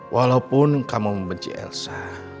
walaupun kamu membenci elsa